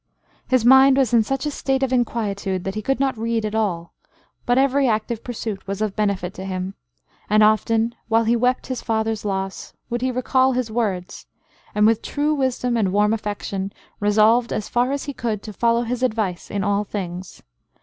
His mind was in such a state of inquietude, that he could not read at all; but every active pursuit was of benefit to him; and often, while he wept his father's loss, would he recal his words, and with true wisdom and warm affection, resolved, as far as he could, to follow his advice in all things.